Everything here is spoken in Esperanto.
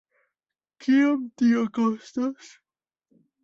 Kiom tio kostos?